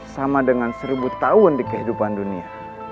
sama dengan seribu tahun di kehidupan dunia